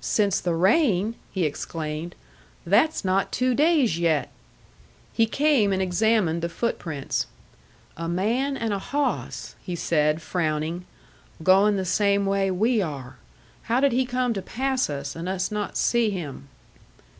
"Since the rain!" he exclaimed. "That's not two days yet." He came and examined the footprints. "A man and a hawss," he said, frowning. "Going the same way we are. How did he come to pass us, and us not see him?"